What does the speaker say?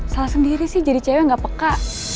salah sendiri sih jadi cewe gak peka